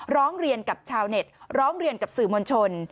ร้องเรียนกับชาวเน็ตร้องเรียนกับสื่อมวลชน